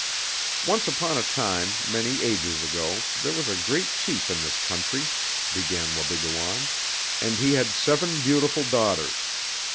"Once upon a time, many ages ago, there was a great chief in this country," began Wabigoon, "and he had seven beautiful daughters.